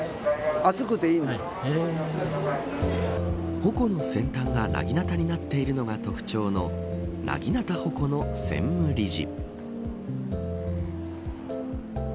鉾の先端がなぎなたになっているのが特徴のなぎなたほこの代表理事。